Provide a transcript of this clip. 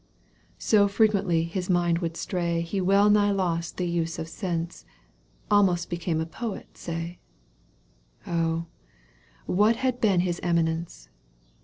So frequently his mind would stray He well nigh lost the use of sense. Almost became a poet say — Oh ! what had been his eminence